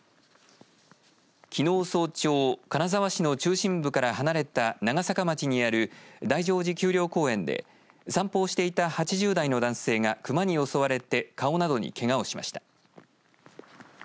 きのう早朝金沢市の中心部から離れた長坂町にある大乗寺丘陵公園で散歩をしていた８０代の男性がクマに襲われて顔などにけがをしました。